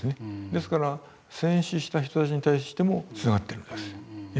ですから戦死した人たちに対してもつながってるんです。